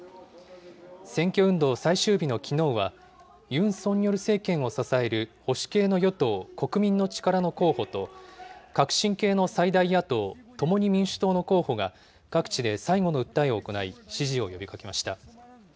選挙運動最終日のきのうは、ユン・ソンニョル政権を支える保守系の与党・国民の力の候補と、革新系の最大野党・共に民主党の候補が、各地で最後の訴えを行い、支持を呼びかけました。